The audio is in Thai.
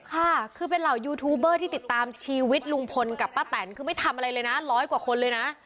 ค่ะคือเป็นเหล่ายูทูบเบอร์ที่ติดตามชีวิตลุงพลกับป้าแตนคือไม่ทำอะไรเลยนะร้อยกว่าคนเลยนะ